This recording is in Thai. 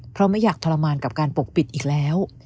เพราะไม่อยากทรมานกับการปกปิดอีกแล้ว